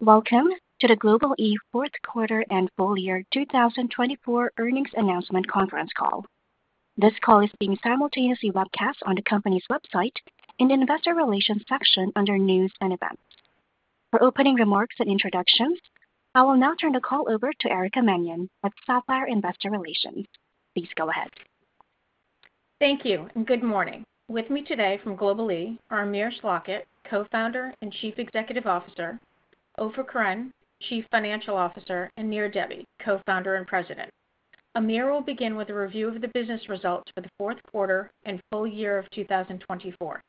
Welcome to the Global-E Q4 and Full Year 2024 Earnings Announcement Conference Call. This call is being simultaneously webcast on the company's website in the Investor Relations section under News and Events. For opening remarks and introductions, I will now turn the call over to Erica Mannion at Sapphire Investor Relations. Please go ahead. Thank you, and good morning. With me today from Global-E are Amir Schlachet, Co-Founder and Chief Executive Officer, Ofer Koren, Chief Financial Officer, and Nir Debbi, Co-Founder and President. Amir will begin with a review of the business results for the Q4 and Full Year of 2024.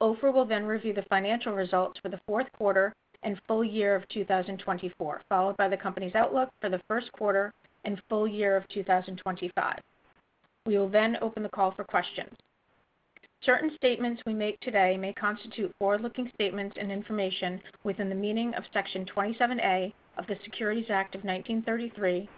Ofer will then review the financial results for the Q4 and Full Year of 2024, followed by the company's outlook for the Q1 and Full Year of 2025. We will then open the call for questions. Certain statements we make today may constitute forward-looking statements and information within the meaning of Section 27A of the Securities Act of 1933,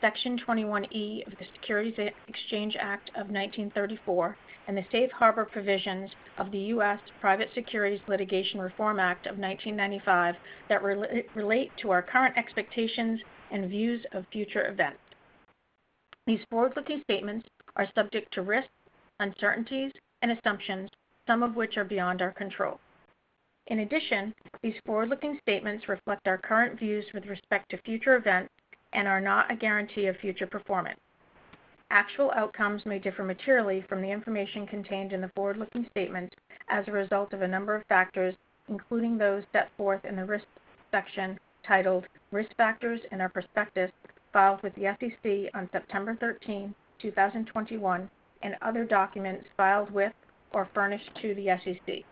Section 21E of the Securities Exchange Act of 1934, and the Safe Harbor Provisions of the U.S. Private Securities Litigation Reform Act of 1995 that relate to our current expectations and views of future events. These forward-looking statements are subject to risks, uncertainties, and assumptions, some of which are beyond our control. In addition, these forward-looking statements reflect our current views with respect to future events and are not a guarantee of future performance. Actual outcomes may differ materially from the information contained in the forward-looking statements as a result of a number of factors, including those set forth in the Risk section titled Risk Factors and Our Perspectives, filed with the SEC on 13 September 2021, and other documents filed with or furnished to the SEC.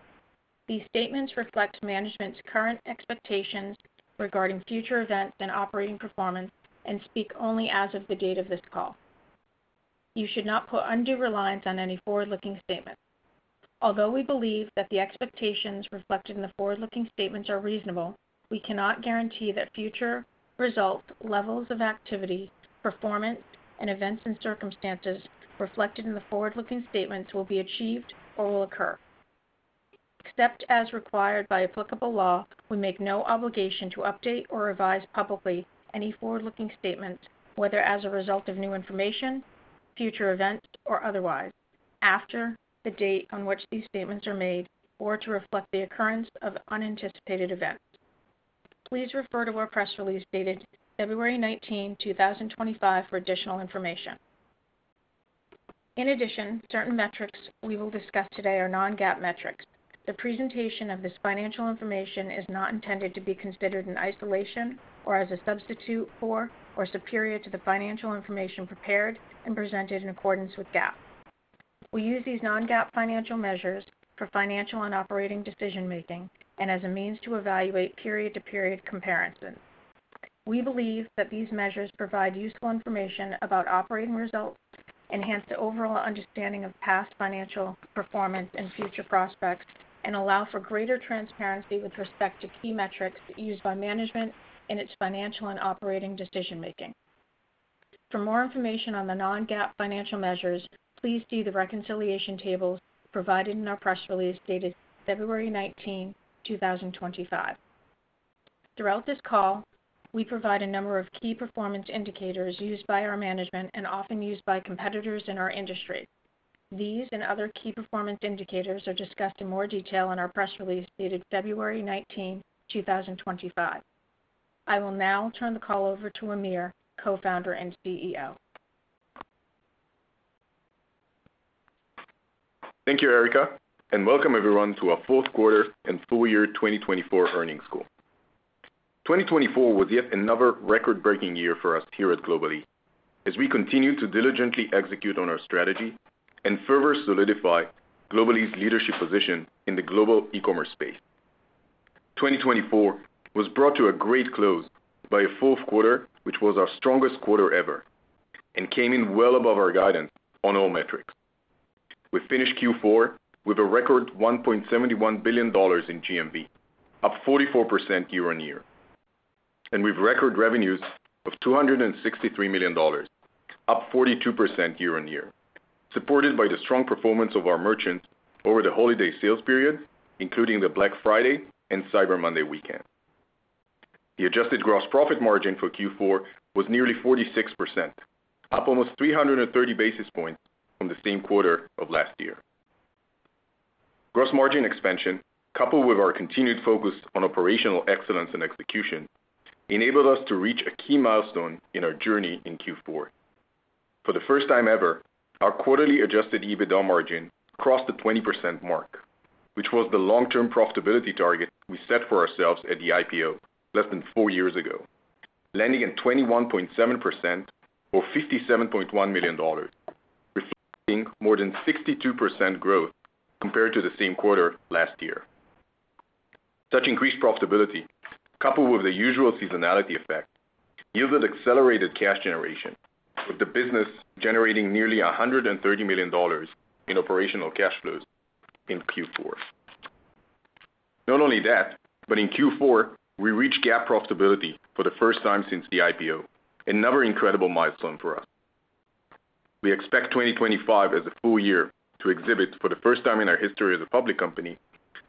These statements reflect management's current expectations regarding future events and operating performance and speak only as of the date of this call. You should not put undue reliance on any forward-looking statements. Although we believe that the expectations reflected in the forward-looking statements are reasonable, we cannot guarantee that future results, levels of activity, performance, and events and circumstances reflected in the forward-looking statements will be achieved or will occur. Except as required by applicable law, we make no obligation to update or revise publicly any forward-looking statements, whether as a result of new information, future events, or otherwise, after the date on which these statements are made or to reflect the occurrence of unanticipated events. Please refer to our press release dated 19 February 2025, for additional information. In addition, certain metrics we will discuss today are non-GAAP metrics. The presentation of this financial information is not intended to be considered in isolation or as a substitute for or superior to the financial information prepared and presented in accordance with GAAP. We use these non-GAAP financial measures for financial and operating decision-making and as a means to evaluate period-to-period comparisons. We believe that these measures provide useful information about operating results, enhance the overall understanding of past financial performance and future prospects, and allow for greater transparency with respect to key metrics used by management in its financial and operating decision-making. For more information on the non-GAAP financial measures, please see the reconciliation tables provided in our press release dated February 19, 2025. Throughout this call, we provide a number of key performance indicators used by our management and often used by competitors in our industry. These and other key performance indicators are discussed in more detail in our press release dated February 19, 2025. I will now turn the call over to Amir, Co-Founder and CEO. Thank you, Erica, and welcome everyone to our Q4 and Full Year 2024 Earnings Call. 2024 was yet another record-breaking year for us here at Global-E, as we continue to diligently execute on our strategy and further solidify Global-E's leadership position in the global e-commerce space. 2024 was brought to a great close by a Q4, which was our strongest quarter ever, and came in well above our guidance on all metrics. We finished Q4 with a record $1.71 billion in GMV, up 44% year-on-year, and with record revenues of $263 million, up 42% year-on-year, supported by the strong performance of our merchants over the holiday sales period, including the Black Friday and Cyber Monday weekend. The adjusted gross profit margin for Q4 was nearly 46%, up almost 330 basis points from the same quarter of last year. Gross margin expansion, coupled with our continued focus on operational excellence and execution, enabled us to reach a key milestone in our journey in Q4. For the first time ever, our quarterly adjusted EBITDA margin crossed the 20% mark, which was the long-term profitability target we set for ourselves at the IPO less than four years ago, landing at 21.7% or $57.1 million, reflecting more than 62% growth compared to the same quarter last year. Such increased profitability, coupled with the usual seasonality effect, yielded accelerated cash generation, with the business generating nearly $130 million in operational cash flows in Q4. Not only that, but in Q4, we reached GAAP profitability for the first time since the IPO, another incredible milestone for us. We expect 2025 as a full year to exhibit, for the first time in our history as a public company,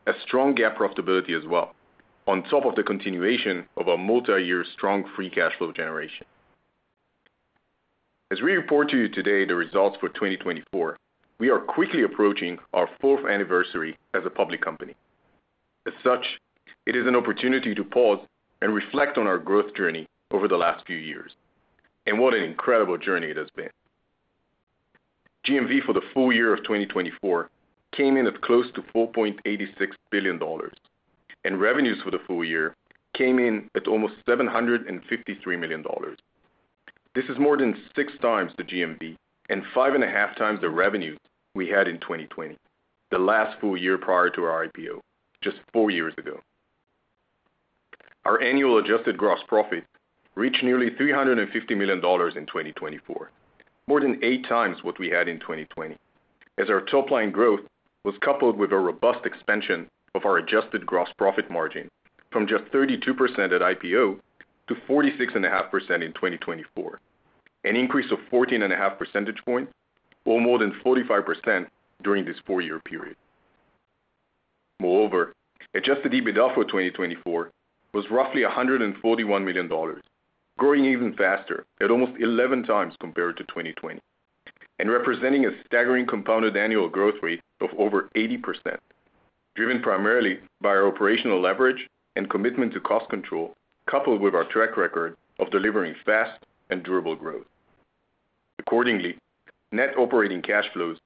a strong GAAP profitability as well, on top of the continuation of our multi-year strong free cash flow generation. As we report to you today the results for 2024, we are quickly approaching our fourth anniversary as a public company. As such, it is an opportunity to pause and reflect on our growth journey over the last few years, and what an incredible journey it has been. GMV for the full year of 2024 came in at close to $4.86 billion, and revenues for the full year came in at almost $753 million. This is more than 6x the GMV and 5.5x the revenues we had in 2020, the last full year prior to our IPO, just four years ago. Our annual adjusted gross profit reached nearly $350 million in 2024, more than 8x what we had in 2020, as our top-line growth was coupled with a robust expansion of our adjusted gross profit margin from just 32% at IPO to 46.5% in 2024, an increase of 14.5 percentage points or more than 45% during this four-year period. Moreover, adjusted EBITDA for 2024 was roughly $141 million, growing even faster at almost 11x compared to 2020, and representing a staggering compounded annual growth rate of over 80%, driven primarily by our operational leverage and commitment to cost control, coupled with our track record of delivering fast and durable growth. Accordingly, net operating cash flows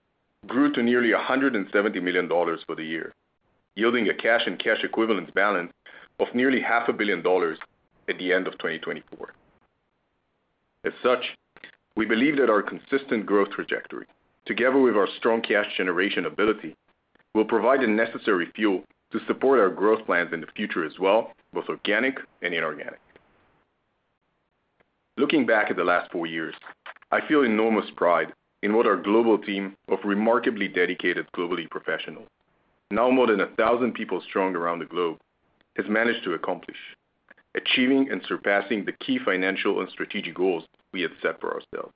grew to nearly $170 million for the year, yielding a cash and cash equivalents balance of nearly $500 million at the end of 2024. As such, we believe that our consistent growth trajectory, together with our strong cash generation ability, will provide the necessary fuel to support our growth plans in the future as well, both organic and inorganic. Looking back at the last four years, I feel enormous pride in what our global team of remarkably dedicated Global-E professionals, now more than 1,000 people strong around the globe, has managed to accomplish, achieving and surpassing the key financial and strategic goals we had set for ourselves.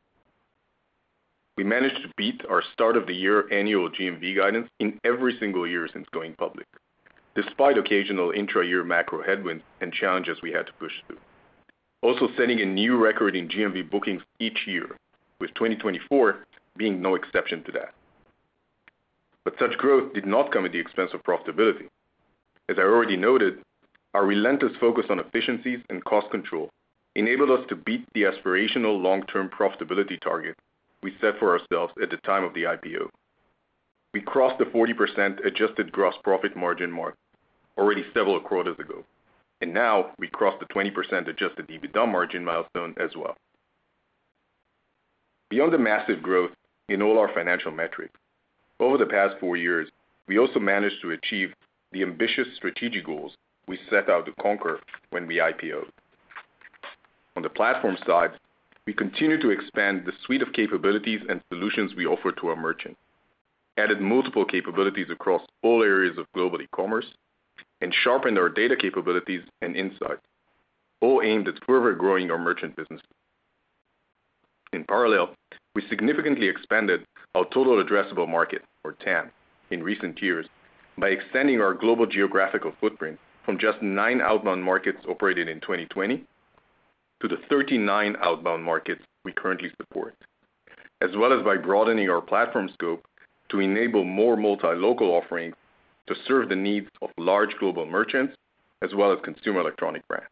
We managed to beat our start-of-the-year annual GMV guidance in every single year since going public, despite occasional intra-year macro headwinds and challenges we had to push through, also setting a new record in GMV bookings each year, with 2024 being no exception to that. But such growth did not come at the expense of profitability. As I already noted, our relentless focus on efficiencies and cost control enabled us to beat the aspirational long-term profitability target we set for ourselves at the time of the IPO. We crossed the 40% adjusted gross profit margin mark, already several quarters ago, and now we crossed the 20% adjusted EBITDA margin milestone as well. Beyond the massive growth in all our financial metrics, over the past four years, we also managed to achieve the ambitious strategic goals we set out to conquer when we IPO'd. On the platform side, we continue to expand the suite of capabilities and solutions we offer to our merchants, added multiple capabilities across all areas of Global-E commerce, and sharpened our data capabilities and insights, all aimed at further growing our merchant business. In parallel, we significantly expanded our total addressable market, or TAM, in recent years by extending our global geographical footprint from just nine outbound markets operated in 2020 to the 39 outbound markets we currently support, as well as by broadening our platform scope to enable more multi-local offerings to serve the needs of large global merchants as well as consumer electronics brands.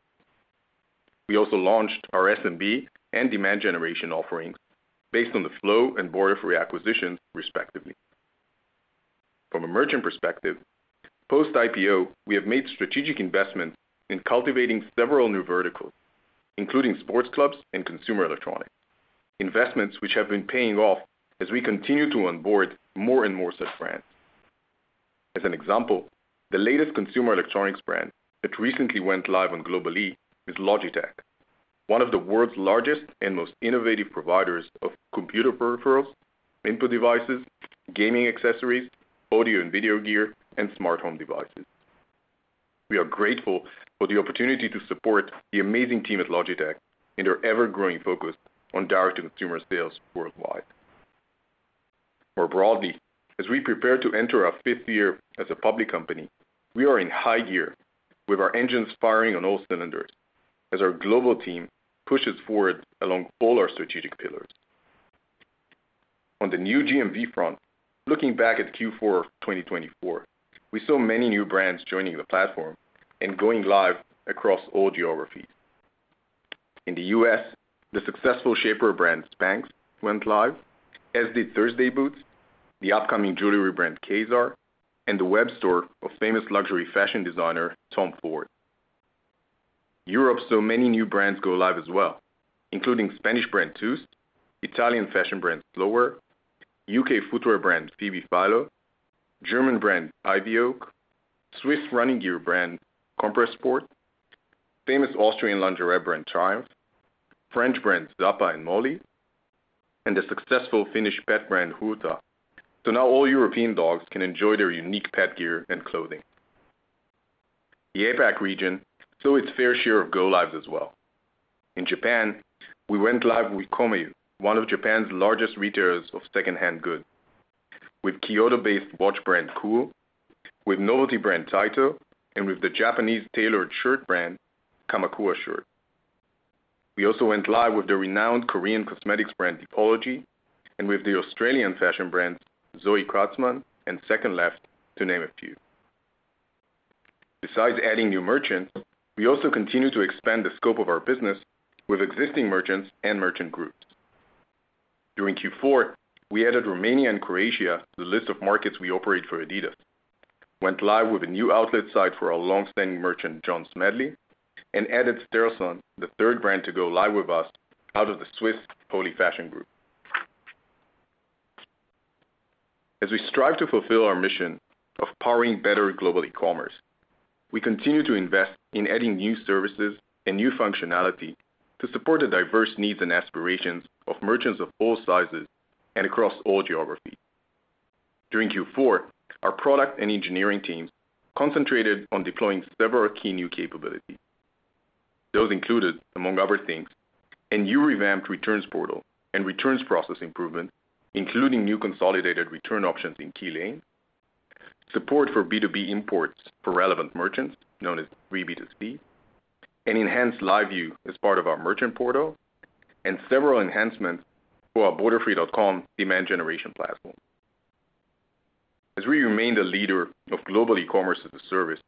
We also launched our SMB and demand generation offerings based on the Flow and Borderfree acquisitions, respectively. From a merchant perspective, post-IPO, we have made strategic investments in cultivating several new verticals, including sports clubs and consumer electronics, investments which have been paying off as we continue to onboard more and more such brands. As an example, the latest consumer electronics brand that recently went live on Global-E is Logitech, one of the world's largest and most innovative providers of computer peripherals, input devices, gaming accessories, audio and video gear, and smart home devices. We are grateful for the opportunity to support the amazing team at Logitech in their ever-growing focus on direct-to-consumer sales worldwide. More broadly, as we prepare to enter our fifth year as a public company, we are in high gear with our engines firing on all cylinders as our global team pushes forward along all our strategic pillars. On the new GMV front, looking back at Q4 of 2024, we saw many new brands joining the platform and going live across all geographies. In the U.S., the successful shaper brand Spanx went live, as did Thursday Boots, the upcoming jewelry brand Kazar, and the web store of famous luxury fashion designer Tom Ford. In Europe, so many new brands go live as well, including Spanish brand Tous, Italian fashion brand Slowear, UK footwear brand Phoebe Philo, German brand Ivy Oak, Swiss running gear brand Compressport, famous Austrian lingerie brand Triumph, French brands Zapa and Molli, and the successful Finnish pet brand Hurtta, so now all European dogs can enjoy their unique pet gear and clothing. The APAC region saw its fair share of go-lives as well. In Japan, we went live with Komehyo, one of Japan's largest retailers of secondhand goods, with Kyoto-based watch brand Kuoe, with novelty brand Taito, and with the Japanese tailored shirt brand Kamakura Shirts. We also went live with the renowned Korean cosmetics brand Depology and with the Australian fashion brands Zoe Kratzmann and Second Left, to name a few. Besides adding new merchants, we also continue to expand the scope of our business with existing merchants and merchant groups. During Q4, we added Romania and Croatia to the list of markets we operate for Adidas, went live with a new outlet site for our longstanding merchant John Smedley, and added Strellson, the third brand to go live with us out of the Swiss Holy Fashion Group. As we strive to fulfill our mission of powering better global e-commerce, we continue to invest in adding new services and new functionality to support the diverse needs and aspirations of merchants of all sizes and across all geographies. During Q4, our product and engineering teams concentrated on deploying several key new capabilities. Those included, among other things, a new revamped returns portal and returns process improvement, including new consolidated return options in Key Lane, support for B2B imports for relevant merchants, known as B2B2C, an enhanced live view as part of our Merchant Portal, and several enhancements for our Borderfree.com demand generation platform. As we remain the leader of global e-commerce as a service,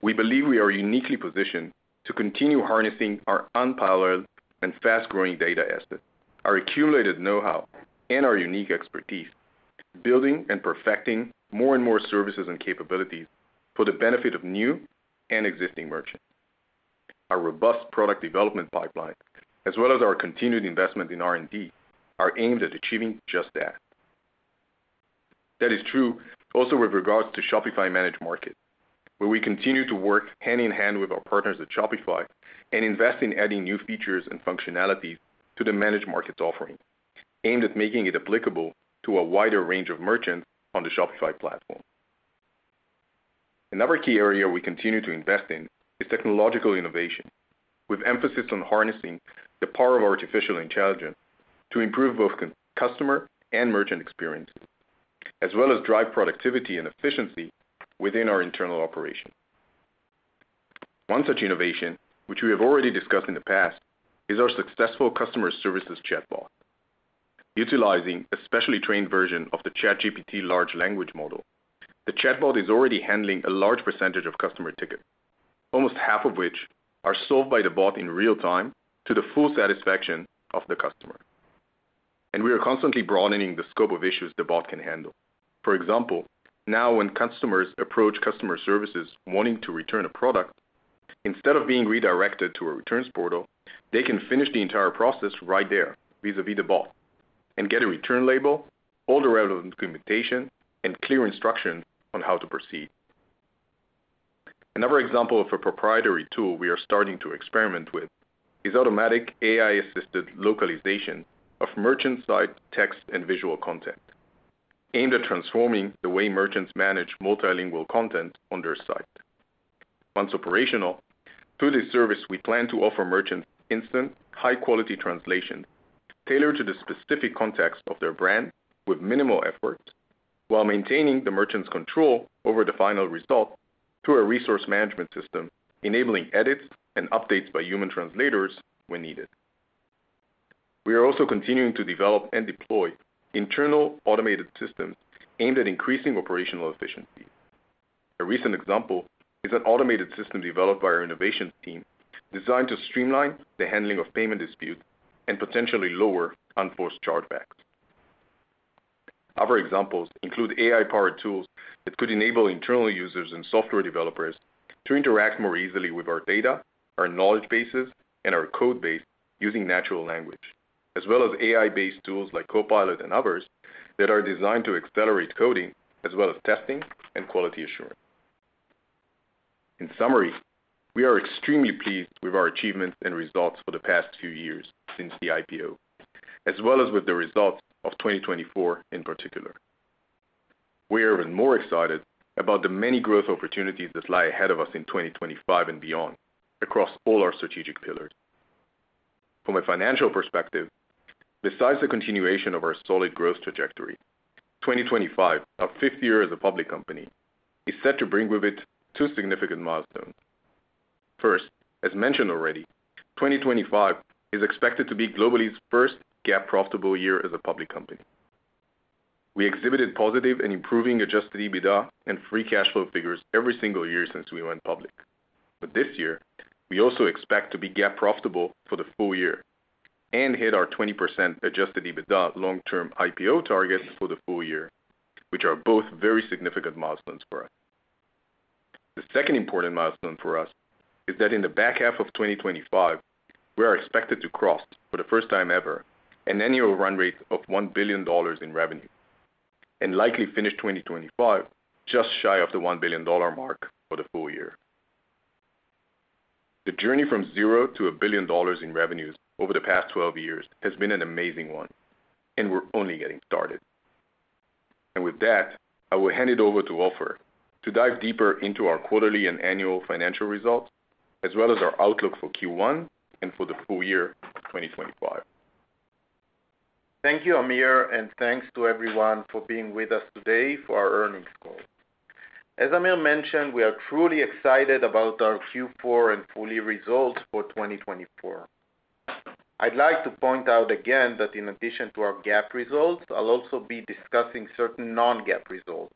we believe we are uniquely positioned to continue harnessing our unparalleled and fast-growing data assets, our accumulated know-how, and our unique expertise, building and perfecting more and more services and capabilities for the benefit of new and existing merchants. Our robust product development pipeline, as well as our continued investment in R&D, are aimed at achieving just that. That is true also with regards to Shopify Managed Markets, where we continue to work hand in hand with our partners at Shopify and invest in adding new features and functionalities to the Managed Markets offering, aimed at making it applicable to a wider range of merchants on the Shopify platform. Another key area we continue to invest in is technological innovation, with emphasis on harnessing the power of artificial intelligence to improve both customer and merchant experiences, as well as drive productivity and efficiency within our internal operations. One such innovation, which we have already discussed in the past, is our successful customer services chatbot. Utilizing a specially trained version of the ChatGPT large language model, the chatbot is already handling a large percentage of customer tickets, almost half of which are solved by the bot in real time to the full satisfaction of the customer. We are constantly broadening the scope of issues the bot can handle. For example, now when customers approach customer services wanting to return a product, instead of being redirected to a returns portal, they can finish the entire process right there vis-à-vis the bot and get a return label, all the relevant documentation, and clear instructions on how to proceed. Another example of a proprietary tool we are starting to experiment with is automatic AI-assisted localization of merchant-site text and visual content, aimed at transforming the way merchants manage multilingual content on their site. Once operational, through this service, we plan to offer merchants instant, high-quality translations tailored to the specific context of their brand with minimal effort, while maintaining the merchant's control over the final result through a resource management system, enabling edits and updates by human translators when needed. We are also continuing to develop and deploy internal automated systems aimed at increasing operational efficiency. A recent example is an automated system developed by our innovation team designed to streamline the handling of payment disputes and potentially lower unforced chargebacks. Other examples include AI-powered tools that could enable internal users and software developers to interact more easily with our data, our knowledge bases, and our code base using natural language, as well as AI-based tools like Copilot and others that are designed to accelerate coding as well as testing and quality assurance. In summary, we are extremely pleased with our achievements and results for the past few years since the IPO, as well as with the results of 2024 in particular. We are even more excited about the many growth opportunities that lie ahead of us in 2025 and beyond across all our strategic pillars. From a financial perspective, besides the continuation of our solid growth trajectory, 2025, our fifth year as a public company, is set to bring with it two significant milestones. First, as mentioned already, 2025 is expected to be Global-E's first GAAP-profitable year as a public company. We exhibited positive and improving adjusted EBITDA and free cash flow figures every single year since we went public. But this year, we also expect to be GAAP-profitable for the full year and hit our 20% adjusted EBITDA long-term IPO targets for the full year, which are both very significant milestones for us. The second important milestone for us is that in the back half of 2025, we are expected to cross, for the first time ever, an annual run rate of $1 billion in revenue and likely finish 2025 just shy of the $1 billion mark for the full year. The journey from zero to $1 billion in revenues over the past 12 years has been an amazing one, and we're only getting started. And with that, I will hand it over to Ofer to dive deeper into our quarterly and annual financial results, as well as our outlook for Q1 and for the full year of 2025. Thank you, Amir, and thanks to everyone for being with us today for our earnings call. As Amir mentioned, we are truly excited about our Q4 and full-year results for 2024. I'd like to point out again that in addition to our GAAP results, I'll also be discussing certain non-GAAP results.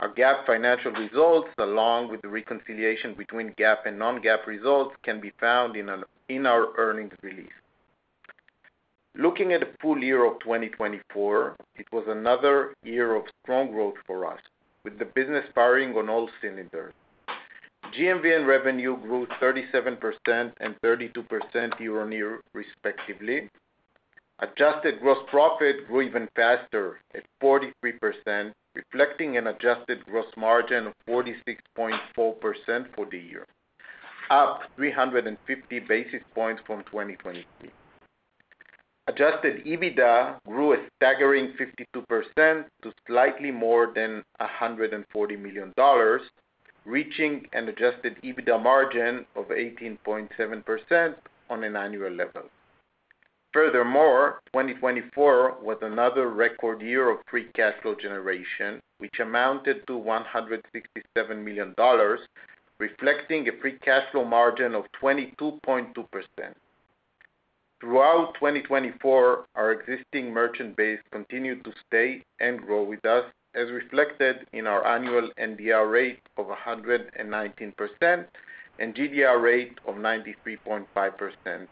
Our GAAP financial results, along with the reconciliation between GAAP and non-GAAP results, can be found in our earnings release. Looking at the full year of 2024, it was another year of strong growth for us, with the business firing on all cylinders. GMV and revenue grew 37% and 32% year-on-year, respectively. Adjusted gross profit grew even faster at 43%, reflecting an adjusted gross margin of 46.4% for the year, up 350 basis points from 2023. Adjusted EBITDA grew a staggering 52% to slightly more than $140 million, reaching an adjusted EBITDA margin of 18.7% on an annual level. Furthermore, 2024 was another record year of free cash flow generation, which amounted to $167 million, reflecting a free cash flow margin of 22.2%. Throughout 2024, our existing merchant base continued to stay and grow with us, as reflected in our annual NDR rate of 119% and GDR rate of 93.5%.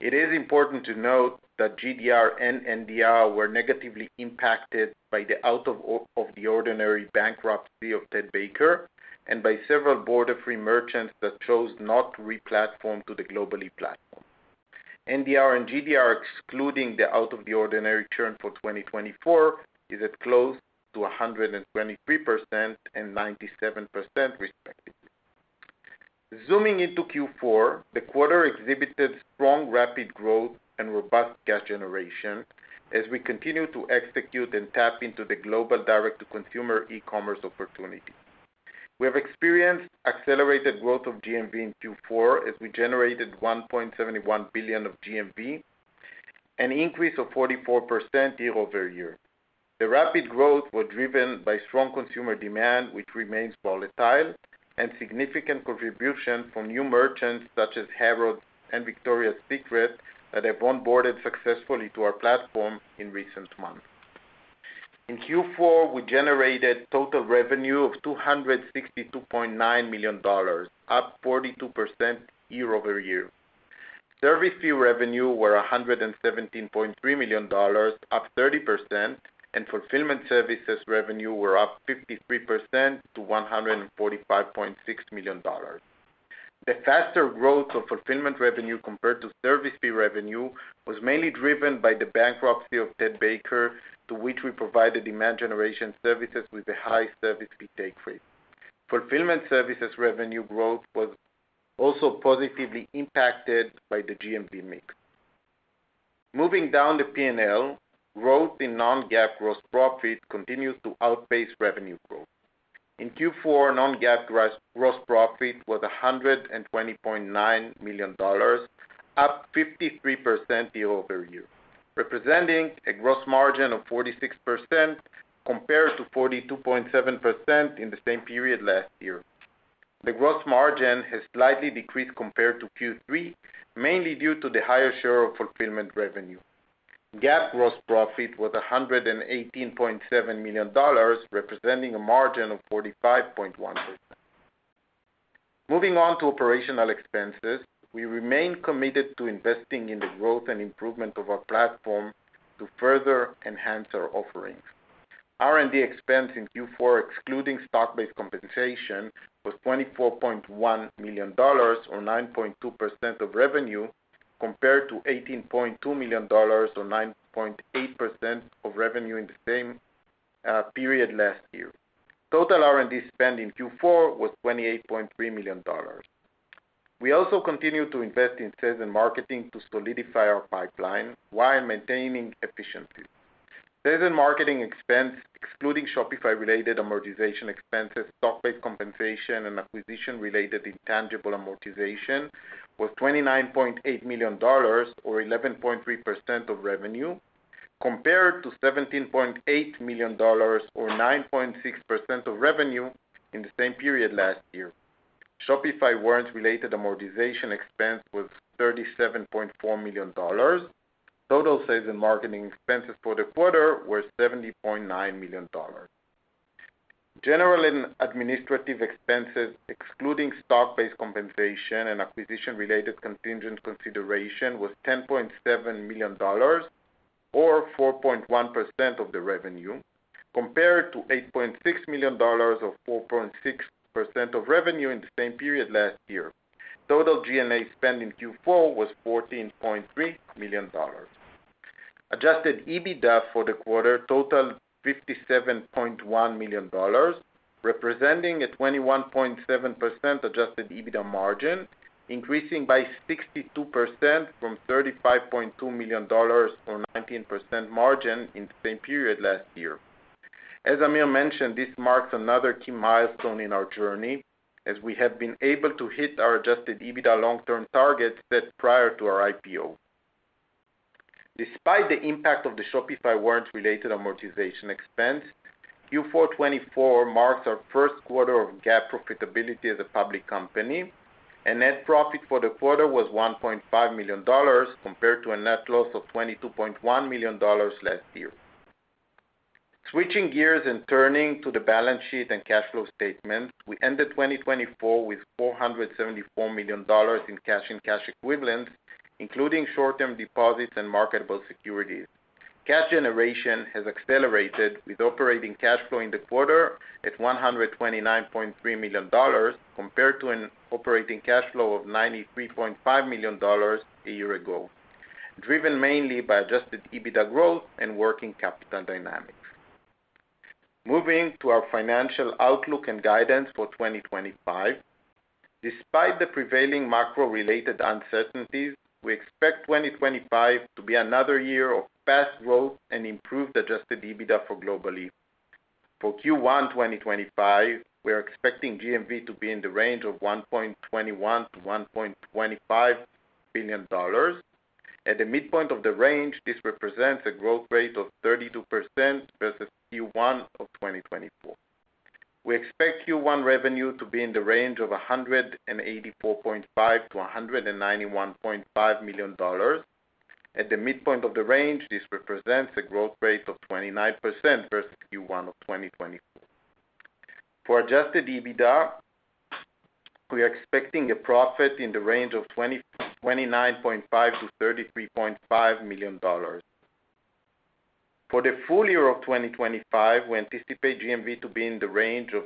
It is important to note that GDR and NDR were negatively impacted by the out-of-the-ordinary bankruptcy of Ted Baker and by several Borderfree merchants that chose not to re-platform to the Global-E platform. NDR and GDR, excluding the out-of-the-ordinary churn for 2024, is at close to 123% and 97%, respectively. Zooming into Q4, the quarter exhibited strong, rapid growth and robust cash generation as we continue to execute and tap into the global direct-to-consumer e-commerce opportunity. We have experienced accelerated growth of GMV in Q4 as we generated 1.71 billion of GMV, an increase of 44% year-over-year. The rapid growth was driven by strong consumer demand, which remains volatile, and significant contributions from new merchants such as Harrods and Victoria's Secret that have onboarded successfully to our platform in recent months. In Q4, we generated total revenue of $262.9 million, up 42% year-over-year. Service fee revenue was $117.3 million, up 30%, and fulfillment services revenue was up 53% to $145.6 million. The faster growth of fulfillment revenue compared to service fee revenue was mainly driven by the bankruptcy of Ted Baker, to which we provided demand generation services with a high service fee take-rate. Fulfillment services revenue growth was also positively impacted by the GMV mix. Moving down the P&L, growth in non-GAAP gross profit continues to outpace revenue growth. In Q4, non-GAAP gross profit was $120.9 million, up 53% year-over-year, representing a gross margin of 46% compared to 42.7% in the same period last year. The gross margin has slightly decreased compared to Q3, mainly due to the higher share of fulfillment revenue. GAAP gross profit was $118.7 million, representing a margin of 45.1%. Moving on to operational expenses, we remain committed to investing in the growth and improvement of our platform to further enhance our offerings. R&D expense in Q4, excluding stock-based compensation, was $24.1 million, or 9.2% of revenue, compared to $18.2 million, or 9.8% of revenue in the same period last year. Total R&D spend in Q4 was $28.3 million. We also continue to invest in sales and marketing to solidify our pipeline while maintaining efficiency. Sales and marketing expense, excluding Shopify-related amortization expenses, stock-based compensation, and acquisition-related intangible amortization, was $29.8 million, or 11.3% of revenue, compared to $17.8 million, or 9.6% of revenue in the same period last year. Shopify warrants-related amortization expense was $37.4 million. Total sales and marketing expenses for the quarter were $70.9 million. General and administrative expenses, excluding stock-based compensation and acquisition-related contingent consideration, was $10.7 million, or 4.1% of the revenue, compared to $8.6 million or 4.6% of revenue in the same period last year. Total G&A spend in Q4 was $14.3 million. Adjusted EBITDA for the quarter totaled $57.1 million, representing a 21.7% adjusted EBITDA margin, increasing by 62% from $35.2 million or 19% margin in the same period last year. As Amir mentioned, this marks another key milestone in our journey, as we have been able to hit our adjusted EBITDA long-term targets set prior to our IPO. Despite the impact of the Shopify warrants-related amortization expense, Q4 2024 marks our Q1 of GAAP profitability as a public company, and net profit for the quarter was $1.5 million, compared to a net loss of $22.1 million last year. Switching gears and turning to the balance sheet and cash flow statement, we ended 2024 with $474 million in cash and cash equivalents, including short-term deposits and marketable securities. Cash generation has accelerated, with operating cash flow in the quarter at $129.3 million, compared to an operating cash flow of $93.5 million a year ago, driven mainly by adjusted EBITDA growth and working capital dynamics. Moving to our financial outlook and guidance for 2025, despite the prevailing macro-related uncertainties, we expect 2025 to be another year of fast growth and improved adjusted EBITDA for Global-E. For Q1 2025, we are expecting GMV to be in the range of $1.21-1.25 billion. At the midpoint of the range, this represents a growth rate of 32% versus Q1 of 2024. We expect Q1 revenue to be in the range of $184.5-191.5 million. At the midpoint of the range, this represents a growth rate of 29% versus Q1 of 2024. For Adjusted EBITDA, we are expecting a profit in the range of $29.5-33.5 million. For the full year of 2025, we anticipate GMV to be in the range of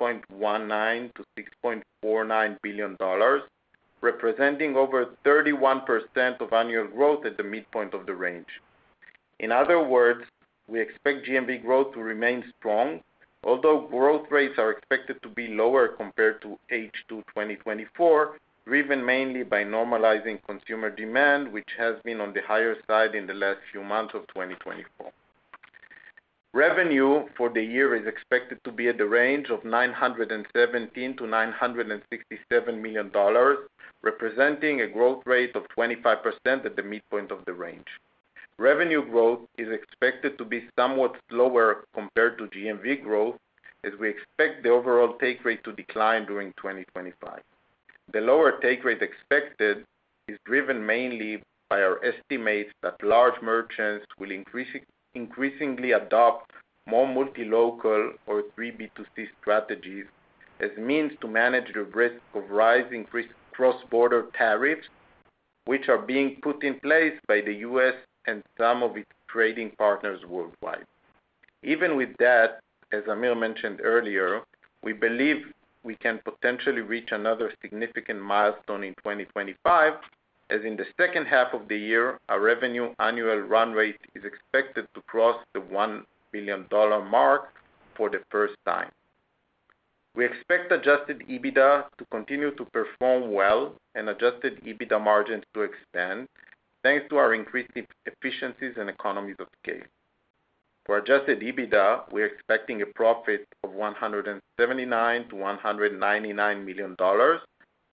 $6.19-6.49 billion, representing over 31% of annual growth at the midpoint of the range. In other words, we expect GMV growth to remain strong, although growth rates are expected to be lower compared to H2 2024, driven mainly by normalizing consumer demand, which has been on the higher side in the last few months of 2024. Revenue for the year is expected to be at the range of $917-967 million, representing a growth rate of 25% at the midpoint of the range. Revenue growth is expected to be somewhat slower compared to GMV growth, as we expect the overall take rate to decline during 2025. The lower take rate expected is driven mainly by our estimates that large merchants will increasingly adopt more multi-local or 3B2C strategies as means to manage the risk of rising cross-border tariffs, which are being put in place by the U.S. and some of its trading partners worldwide. Even with that, as Amir mentioned earlier, we believe we can potentially reach another significant milestone in 2025, as in the second half of the year, our revenue annual run rate is expected to cross the $1 billion mark for the first time. We expect Adjusted EBITDA to continue to perform well and Adjusted EBITDA margins to extend, thanks to our increased efficiencies and economies of scale. For adjusted EBITDA, we are expecting a profit of $179-199 million,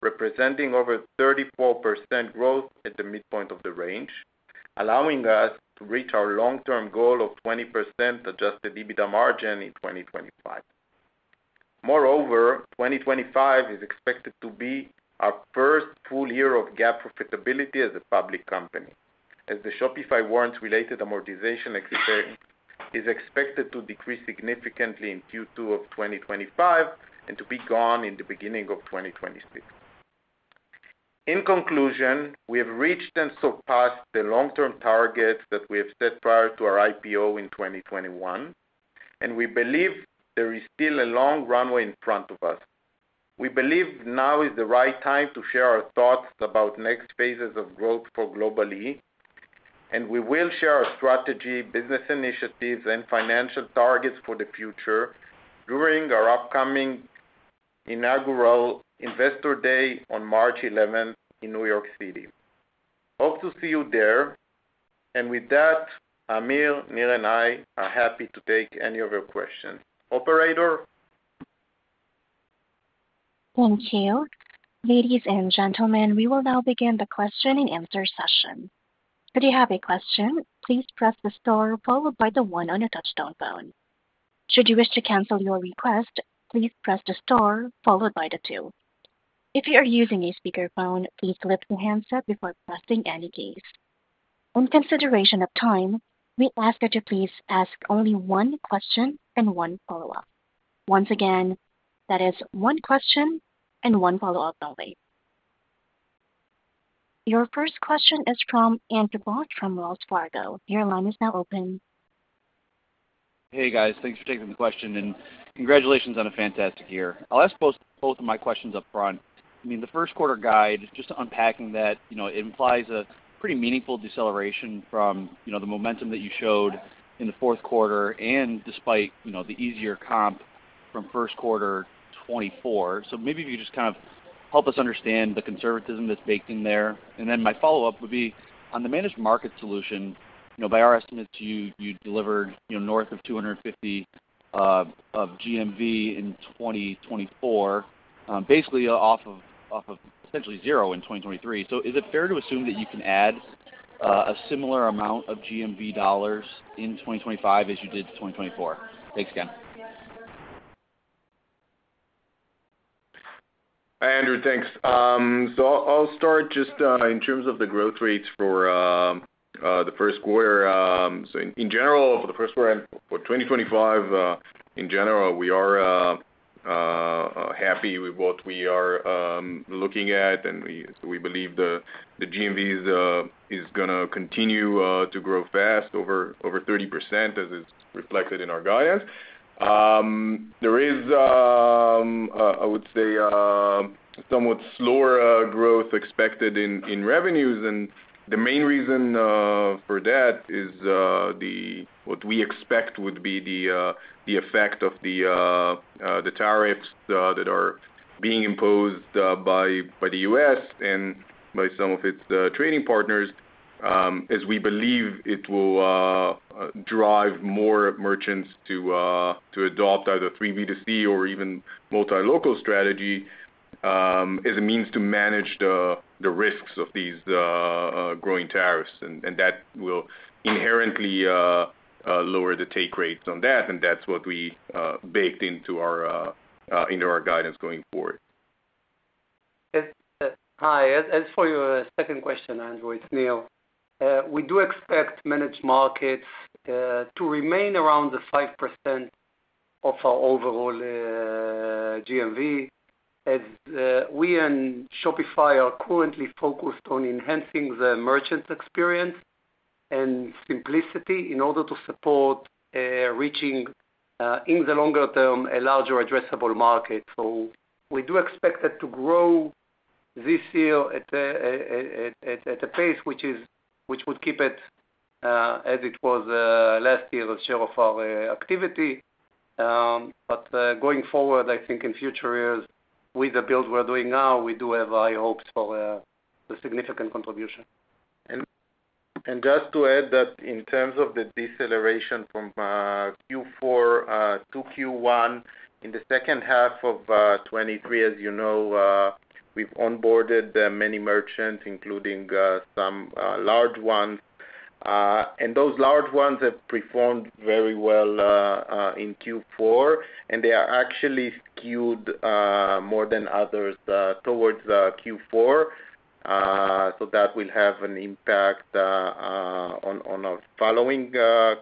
representing over 34% growth at the midpoint of the range, allowing us to reach our long-term goal of 20% adjusted EBITDA margin in 2025. Moreover, 2025 is expected to be our first full year of GAAP profitability as a public company, as the Shopify warrants-related amortization experience is expected to decrease significantly in Q2 of 2025 and to be gone in the beginning of 2026. In conclusion, we have reached and surpassed the long-term targets that we have set prior to our IPO in 2021, and we believe there is still a long runway in front of us. We believe now is the right time to share our thoughts about next phases of growth for Global-E, and we will share our strategy, business initiatives, and financial targets for the future during our upcoming inaugural Investor Day on March 11 in New York City. Hope to see you there. And with that, Amir, Nir, and I are happy to take any of your questions. Operator. Thank you. Ladies and gentlemen, we will now begin the question and answer session. If you have a question, please press the star followed by the one on a touchtone phone. Should you wish to cancel your request, please press the star followed by the two. If you are using a speakerphone, please flip the handset before pressing any keys. On consideration of time, we ask that you please ask only one question and one follow-up. Once again, that is one question and one follow-up only. Your first question is from Andrew Bauch from Wells Fargo. Your line is now open. Hey, guys. Thanks for taking the question, and congratulations on a fantastic year. I'll ask both of my questions up front. I mean, the Q1 guide, just unpacking that, it implies a pretty meaningful deceleration from the momentum that you showed in the Q4 and despite the easier comp from Q1 2024. So maybe if you could just kind of help us understand the conservatism that's baked in there. And then my follow-up would be on the Managed Markets solution. By our estimates, you delivered north of 250 of GMV in 2024, basically off of essentially zero in 2023. So is it fair to assume that you can add a similar amount of GMV dollars in 2025 as you did in 2024? Thanks again. Hi, Andrew. Thanks. So I'll start just in terms of the growth rates for the Q1. So in general, for the Q1 for 2025, in general, we are happy with what we are looking at. And we believe the GMV is going to continue to grow fast, over 30%, as is reflected in our guidance. There is, I would say, somewhat slower growth expected in revenues. And the main reason for that is what we expect would be the effect of the tariffs that are being imposed by the U.S. and by some of its trading partners, as we believe it will drive more merchants to adopt either 3B2C or even multi-local strategy as a means to manage the risks of these growing tariffs. And that will inherently lower the take rates on that. And that's what we baked into our guidance going forward. Hi. As for your second question, Andrew, it's Nir. We do expect Managed Markets to remain around the 5% of our overall GMV, as we and Shopify are currently focused on enhancing the merchant experience and simplicity in order to support reaching, in the longer term, a larger addressable market. So we do expect it to grow this year at a pace which would keep it as it was last year's share of our activity. But going forward, I think in future years, with the build we're doing now, we do have high hopes for a significant contribution. And just to add that in terms of the deceleration from Q4 to Q1 in the second half of 2023, as you know, we've onboarded many merchants, including some large ones. And those large ones have performed very well in Q4, and they are actually skewed more than others towards Q4. So that will have an impact on our following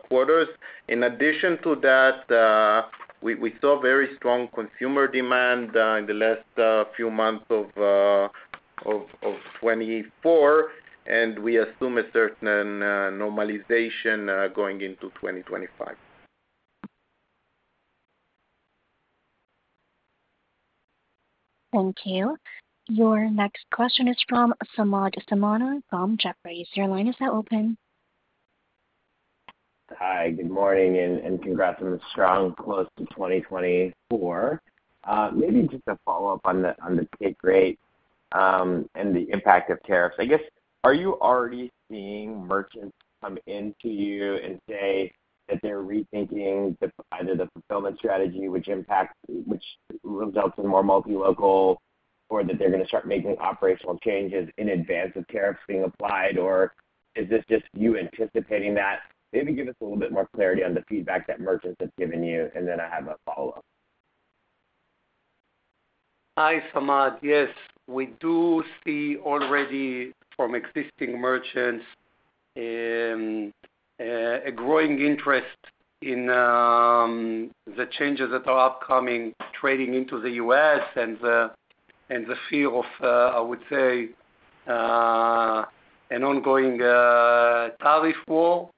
quarters. In addition to that, we saw very strong consumer demand in the last few months of 2024, and we assume a certain normalization going into 2025. Thank you. Your next question is from Samad Samana from Jefferies. Your line is now open. Hi. Good morning, and congrats on the strong growth in 2024. Maybe just a follow-up on the take rate and the impact of tariffs. I guess, are you already seeing merchants come into you and say that they're rethinking either the fulfillment strategy, which results in more multi-local, or that they're going to start making operational changes in advance of tariffs being applied? Or is this just you anticipating that? Maybe give us a little bit more clarity on the feedback that merchants have given you, and then I have a follow-up. Hi, Samad. Yes. We do see already from existing merchants a growing interest in the changes that are upcoming trading into the US and the fear of, I would say, an ongoing tariff war.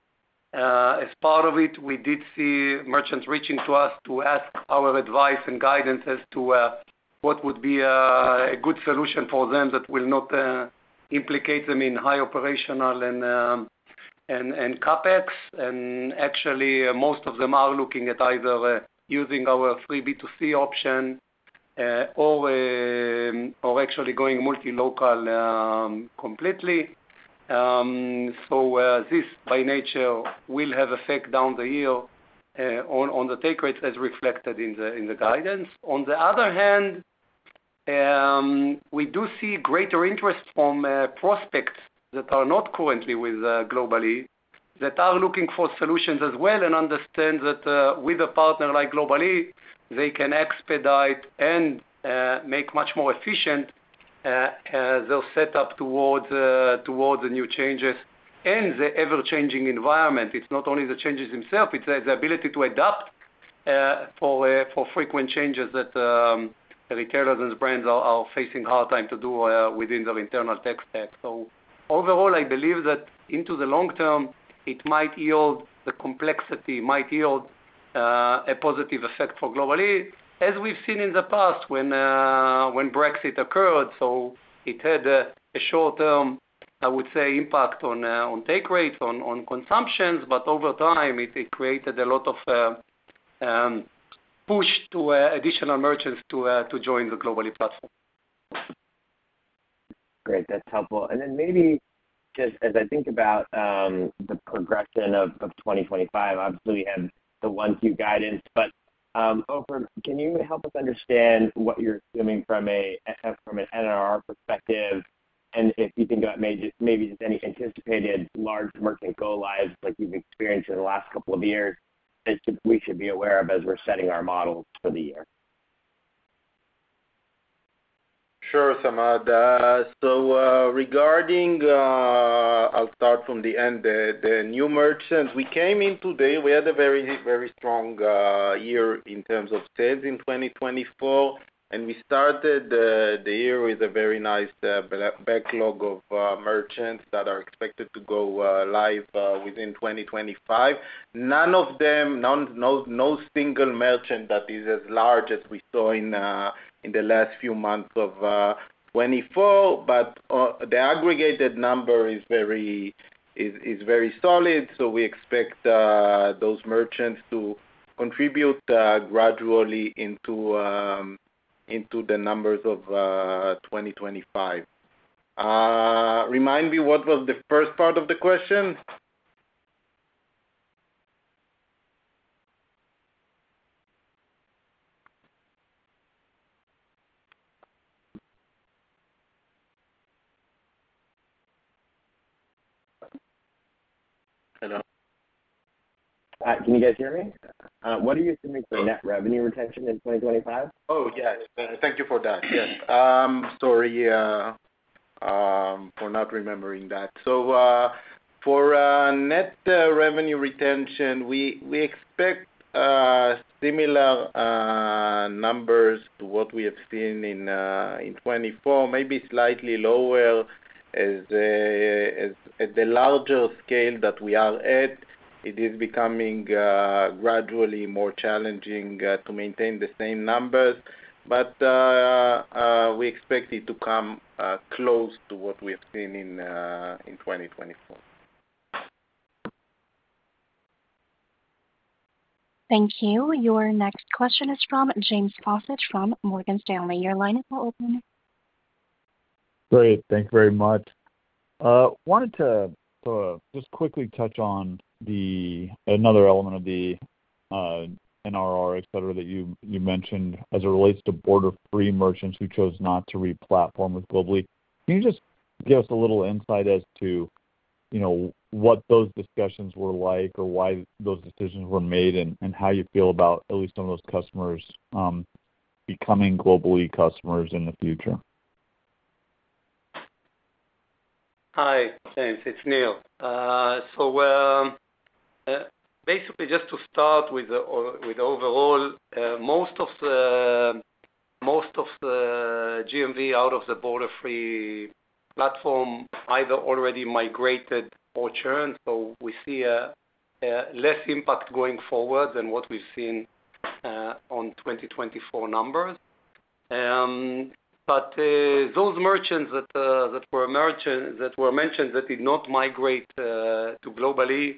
As part of it, we did see merchants reaching to us to ask our advice and guidance as to what would be a good solution for them that will not implicate them in high operational and CapEx. And actually, most of them are looking at either using our 3B2C option or actually going multi-local completely. So this, by nature, will have effect down the year on the take rates as reflected in the guidance. On the other hand, we do see greater interest from prospects that are not currently with Global-E, that are looking for solutions as well and understand that with a partner like Global-E, they can expedite and make much more efficient their setup towards the new changes and the ever-changing environment. It's not only the changes themselves. It's the ability to adapt for frequent changes that retailers and brands are facing a hard time to do within their internal tech stack. So overall, I believe that into the long term, it might yield the complexity, might yield a positive effect for Global-E, as we've seen in the past when Brexit occurred. So it had a short-term, I would say, impact on take rates, on consumptions, but over time, it created a lot of push to additional merchants to join the Global-E platform. Great. That's helpful. And then maybe just as I think about the progression of 2025, obviously, we have the one-view guidance. But Ofer, can you help us understand what you're assuming from an NRR perspective? And if you think about maybe just any anticipated large merchant go-lives like you've experienced in the last couple of years that we should be aware of as we're setting our models for the year? Sure, Samad. So regarding. I'll start from the end. The new merchants. We came in today. We had a very, very strong year in terms of sales in 2024. And we started the year with a very nice backlog of merchants that are expected to go live within 2025. None of them, no single merchant that is as large as we saw in the last few months of 2024. But the aggregated number is very solid. So we expect those merchants to contribute gradually into the numbers of 2025. Remind me what was the first part of the question. Hello? Can you guys hear me? What are you assuming for net revenue retention in 2025? Oh, yes. Thank you for that. Yes. Sorry for not remembering that. So for net revenue retention, we expect similar numbers to what we have seen in 2024, maybe slightly lower as the larger scale that we are at. It is becoming gradually more challenging to maintain the same numbers. But we expect it to come close to what we have seen in 2024. Thank you. Your next question is from James Faucette from Morgan Stanley. Your line is now open. Great. Thank you very much.I wanted to just quickly touch on another element of the NRR, etc., that you mentioned as it relates to Borderfree merchants who chose not to re-platform with Global-E. Can you just give us a little insight as to what those discussions were like or why those decisions were made and how you feel about at least some of those customers becoming Global-E customers in the future? Hi, James. It's Nir. So basically, just to start with the overall, most of the GMV out of the Borderfree platform either already migrated or churned. So we see less impact going forward than what we've seen on 2024 numbers. But those merchants that were mentioned that did not migrate to Global-E,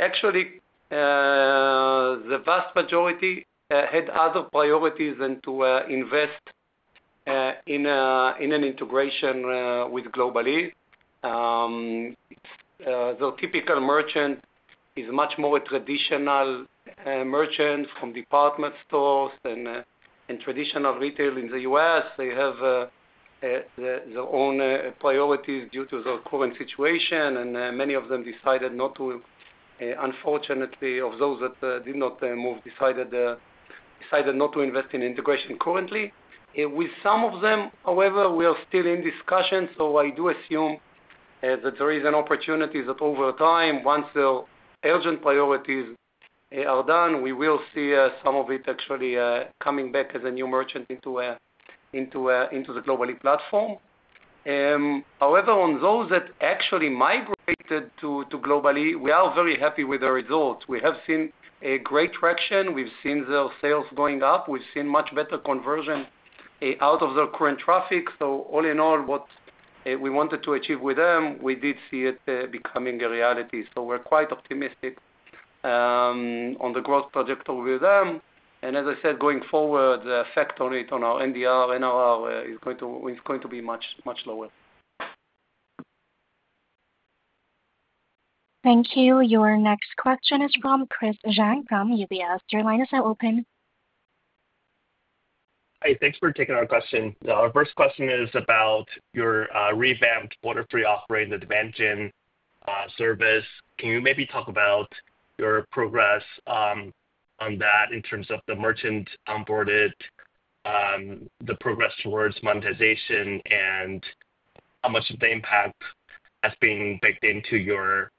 actually, the vast majority had other priorities than to invest in an integration with Global-E. The typical merchant is much more a traditional merchant from department stores and traditional retail in the U.S. They have their own priorities due to their current situation, and many of them decided not to, unfortunately, of those that did not move, decided not to invest in integration currently. With some of them, however, we are still in discussion, so I do assume that there is an opportunity that over time, once their urgent priorities are done, we will see some of it actually coming back as a new merchant into the Global-E platform. However, on those that actually migrated to Global-E, we are very happy with the results. We have seen a great traction. We've seen their sales going up. We've seen much better conversion out of their current traffic, so all in all, what we wanted to achieve with them, we did see it becoming a reality. So we're quite optimistic on the growth trajectory with them. And as I said, going forward, the effect on it, on our NDR, NRR, is going to be much lower. Thank you. Your next question is from Chris Zhang from UBS. Your line is now open. Hi. Thanks for taking our question. Our first question is about your revamped Borderfree Operating Advantage service. Can you maybe talk about your progress on that in terms of the merchants onboarded, the progress towards monetization, and how much of the impact has been baked into your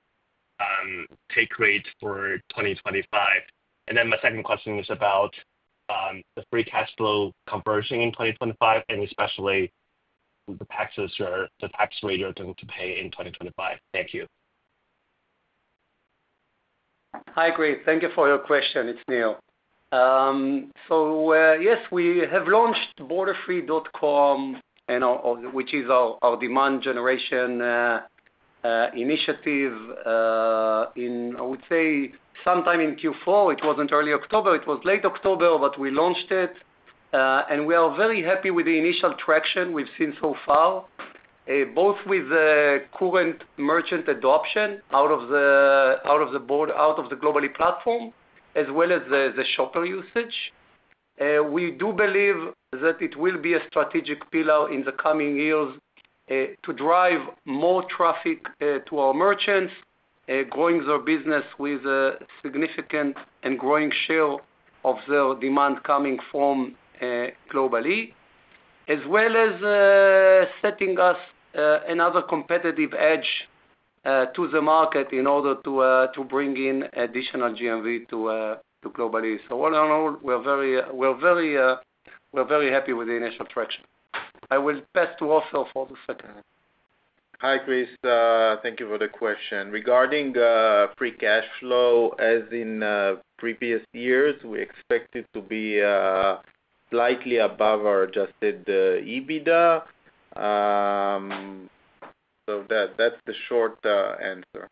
take rate for 2025? And then my second question is about the free cash flow conversion in 2025, and especially the taxes or the tax rate you're going to pay in 2025. Thank you. Hi, Chris. Thank you for your question. It's Nir. Yes, we have launched Borderfree.com, which is our demand generation initiative in, I would say, sometime in Q4. It wasn't early October. It was late October, but we launched it. And we are very happy with the initial traction we've seen so far, both with the current merchant adoption out of the Global-E platform as well as the shopper usage. We do believe that it will be a strategic pillar in the coming years to drive more traffic to our merchants, growing their business with a significant and growing share of their demand coming from Global-E, as well as setting us another competitive edge to the market in order to bring in additional GMV to Global-E. So all in all, we're very happy with the initial traction. I will pass to Ofer for the second. Hi, Chris. Thank you for the question. Regarding free cash flow, as in previous years, we expect it to be slightly above our Adjusted EBITDA. So that's the short answer.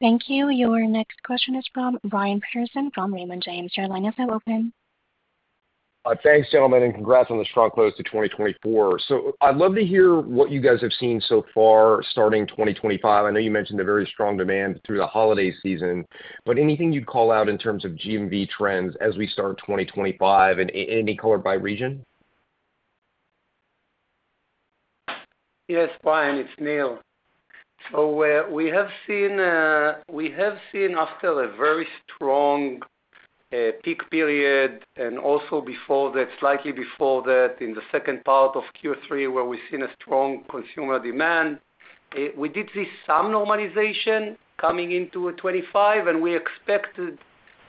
Thank you. Your next question is from Brian Peterson from Raymond James. Your line is now open. Thanks, gentlemen. And congrats on the strong close to 2024. So I'd love to hear what you guys have seen so far starting 2025. I know you mentioned a very strong demand through the holiday season. But anything you'd call out in terms of GMV trends as we start 2025 in any color by region? Yes, Brian. It's Nir. So we have seen, after a very strong peak period and also slightly before that in the second part of Q3, where we've seen a strong consumer demand, we did see some normalization coming into 2025, and we expected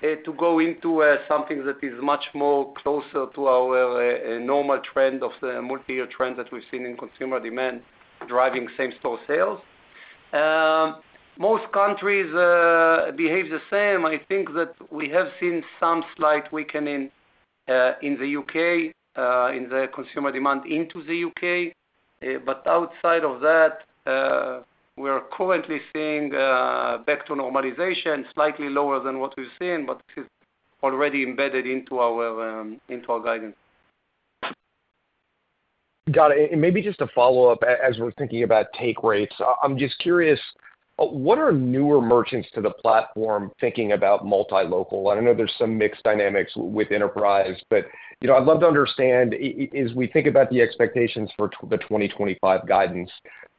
to go into something that is much more closer to our normal trend of the multi-year trend that we've seen in consumer demand driving same-store sales. Most countries behave the same. I think that we have seen some slight weakening in the U.K., in the consumer demand into the U.K. But outside of that, we are currently seeing back to normalization, slightly lower than what we've seen, but this is already embedded into our guidance. Got it. And maybe just a follow-up as we're thinking about take rates. I'm just curious, what are newer merchants to the platform thinking about multi-local? I know there's some mixed dynamics with enterprise, but I'd love to understand, as we think about the expectations for the 2025 guidance,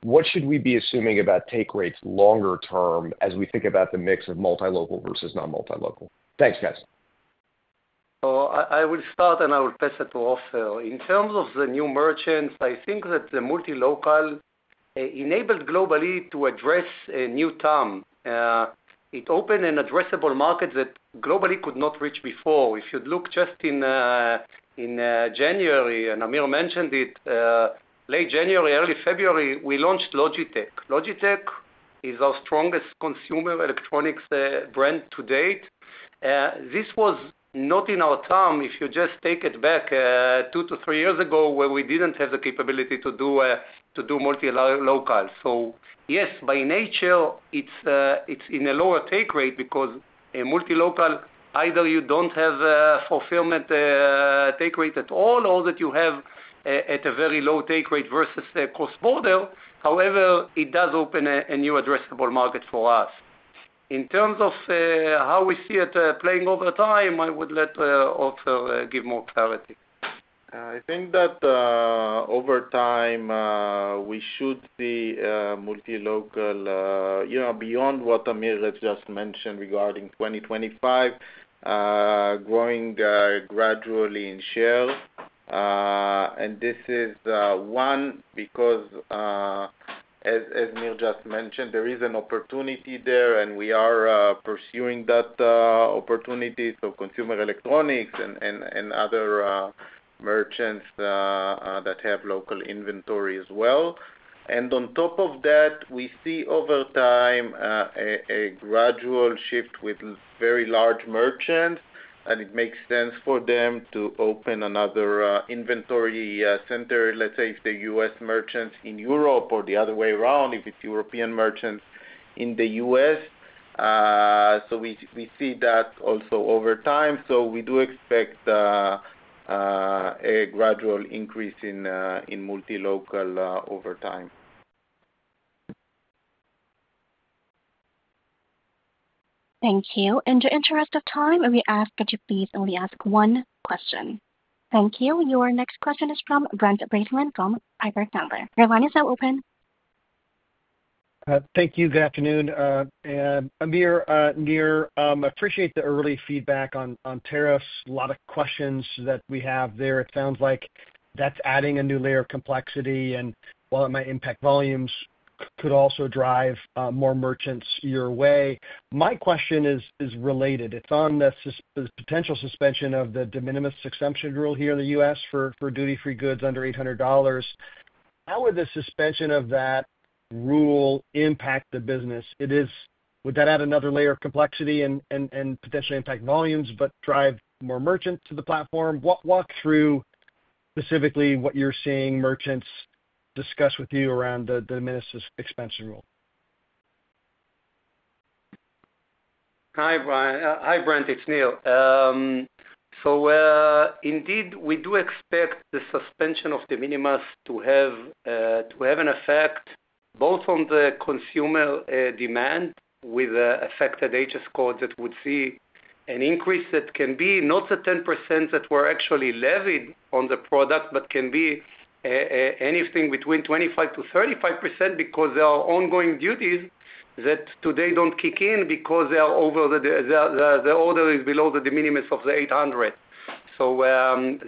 what should we be assuming about take rates longer term as we think about the mix of multi-local versus non-multi-local? Thanks, guys. So I will start, and I will pass it to Ofer. In terms of the new merchants, I think that the multi-local enabled Global-E to address a new tier. It opened an addressable market that Global-E could not reach before. If you'd look just in January, and Amir mentioned it, late January, early February, we launched Logitech. Logitech is our strongest consumer electronics brand to date. This was not in our tier if you just take it back two to three years ago where we didn't have the capability to do multi-local. So yes, by nature, it's in a lower take rate because, a multi-local, either you don't have fulfillment take rate at all or that you have at a very low take rate versus cross-border. However, it does open a new addressable market for us. In terms of how we see it playing over time, I would let Ofer give more clarity. I think that over time, we should see multi-local beyond what Amir has just mentioned regarding 2025, growing gradually in share. And this is one because, as Amir just mentioned, there is an opportunity there, and we are pursuing that opportunity for consumer electronics and other merchants that have local inventory as well. And on top of that, we see over time a gradual shift with very large merchants, and it makes sense for them to open another inventory center, let's say, if they're U.S. merchants in Europe or the other way around, if it's European merchants in the U.S. So we see that also over time. So we do expect a gradual increase in multi-local over time. Thank you. And to respect the time, we ask that you please only ask one question. Thank you. Your next question is from Brent Bracelin from Piper Sandler. Your line is now open. Thank you. Good afternoon. Amir, Nir, I appreciate the early feedback on tariffs. A lot of questions that we have there. It sounds like that's adding a new layer of complexity. And while it might impact volumes, it could also drive more merchants your way. My question is related. It's on the potential suspension of the de minimis exemption rule here in the U.S. for duty-free goods under $800. How would the suspension of that rule impact the business? Would that add another layer of complexity and potentially impact volumes, but drive more merchants to the platform? Walk through specifically what you're seeing merchants discuss with you around the de minimis expansion rule. Hi, Brian. Hi, Brent. It's Nir. So indeed, we do expect the suspension of de minimis to have an effect both on the consumer demand with the affected HS codes that would see an increase that can be not the 10% that were actually levied on the product, but can be anything between 25-35% because there are ongoing duties that today don't kick in because the order is below the de minimis of the 800. So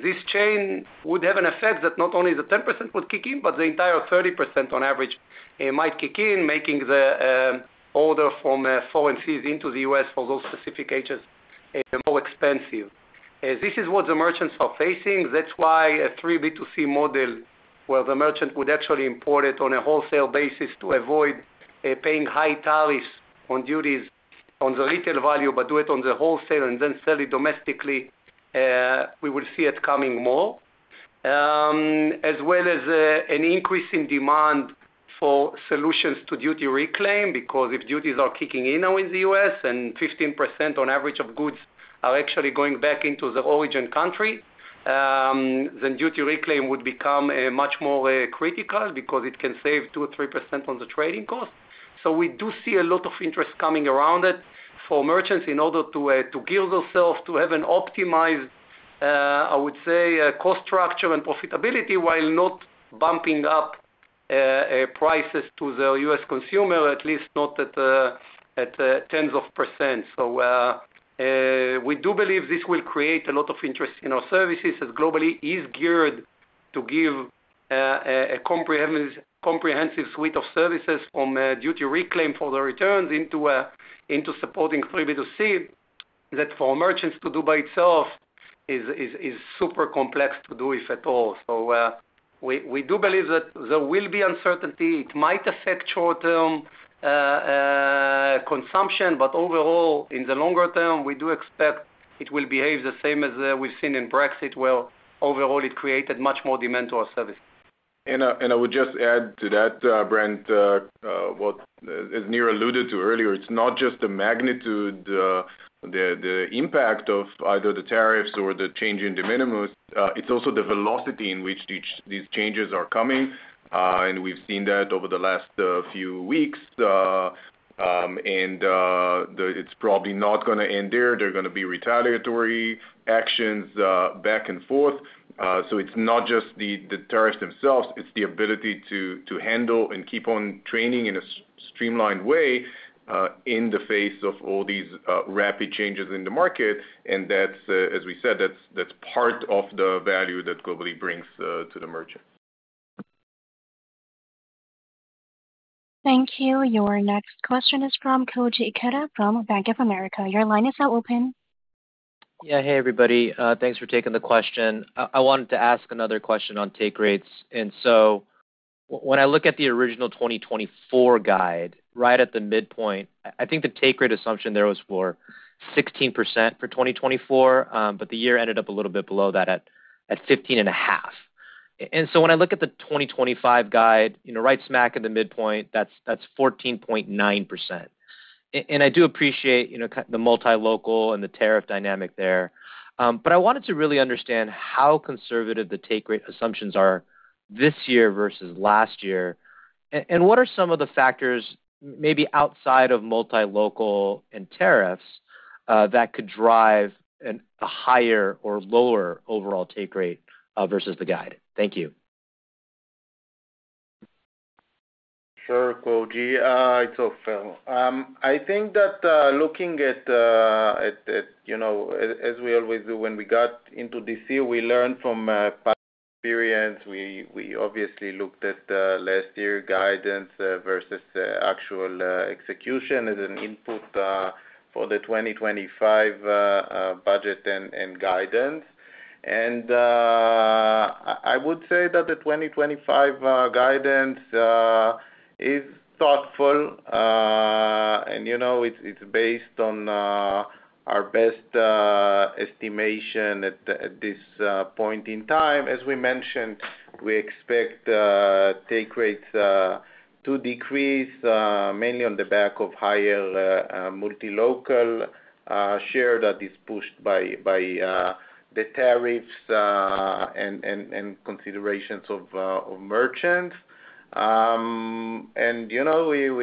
this chain would have an effect that not only the 10% would kick in, but the entire 30% on average might kick in, making the order from overseas into the U.S. for those specific HS more expensive. This is what the merchants are facing. That's why a 3B2C model where the merchant would actually import it on a wholesale basis to avoid paying high tariffs on duties on the retail value, but do it on the wholesale and then sell it domestically, we will see it coming more, as well as an increase in demand for solutions to duty reclaim because if duties are kicking in now in the U.S. and 15% on average of goods are actually going back into the origin country, then duty reclaim would become much more critical because it can save 2 to 3% on the trading cost. So we do see a lot of interest coming around it for merchants in order to gear themselves to have an optimized, I would say, cost structure and profitability while not bumping up prices to the U.S. consumer, at least not at tens of %. So we do believe this will create a lot of interest in our services as Global-E is geared to give a comprehensive suite of services from duty reclaim for the returns into supporting 3B2C that for merchants to do by itself is super complex to do, if at all. So we do believe that there will be uncertainty. It might affect short-term consumption, but overall, in the longer term, we do expect it will behave the same as we've seen in Brexit, where overall, it created much more demand to our service. I would just add to that, Brent. What, as Nir alluded to earlier, it's not just the magnitude, the impact of either the tariffs or the change in de minimis. It's also the velocity in which these changes are coming. And we've seen that over the last few weeks. And it's probably not going to end there. There are going to be retaliatory actions back and forth. So it's not just the tariffs themselves. It's the ability to handle and keep on training in a streamlined way in the face of all these rapid changes in the market. And as we said, that's part of the value that Global-E brings to the merchant. Thank you. Your next question is from Koji Ikeda from Bank of America. Your line is now open. Yeah. Hey, everybody. Thanks for taking the question. I wanted to ask another question on take rates. And so when I look at the original 2024 guide right at the midpoint, I think the take rate assumption there was for 16% for 2024, but the year ended up a little bit below that at 15.5%. And so when I look at the 2025 guide, right smack in the midpoint, that's 14.9%. And I do appreciate the multi-local and the tariff dynamic there. But I wanted to really understand how conservative the take rate assumptions are this year versus last year. And what are some of the factors maybe outside of multi-local and tariffs that could drive a higher or lower overall take rate versus the guide? Thank you. Sure, Koji. It's Ofer. I think that looking at, as we always do, when we got into this year, we learned from past experience. We obviously looked at last year's guidance versus actual execution as an input for the 2025 budget and guidance. I would say that the 2025 guidance is thoughtful. It's based on our best estimation at this point in time. As we mentioned, we expect take rates to decrease mainly on the back of higher multi-local share that is pushed by the tariffs and considerations of merchants. We